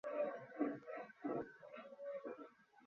মাঠের ভেতরে tennis court তৈরি বন্ধ করে আমাদের খেলার সুযোগ করে দিন।